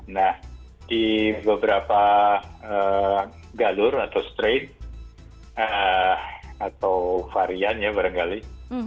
nah di beberapa galur atau straight atau varian ya barangkali